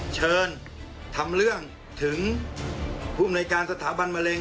เชิญทำเรื่องถึงภูมิบริการสถาบันมะเร็ง